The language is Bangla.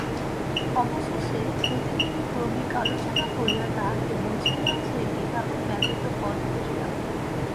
অবশেষে প্রতিদিন ক্রমিক আলোচনা করিয়া তাহাকে বুঝাইলাম যে, বিবাহ ব্যতীত পথ দেখি না।